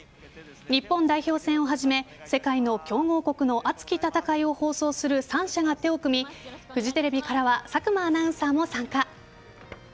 日本代表戦をはじめ世界の強豪国の熱き戦いを放送する３社が手を組みフジテレビからは佐久間アナウンサーも参加。